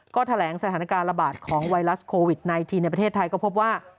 ก็แถลงสถานการณ์ระบาดของไวรัสโควิด๑๙ในประเทศไทยก็พบว่า